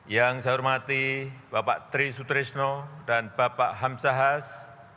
yang saya hormati bapak tri sutrisno dan bapak hamsahas